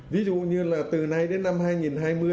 ví dụ như là từ nay đến năm hai nghìn hai mươi